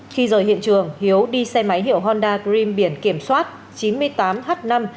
khi rời hiện trường hiếu đi xe máy hiệu honda grim biển kiểm soát chín mươi tám h năm mươi hai nghìn tám trăm sáu mươi tám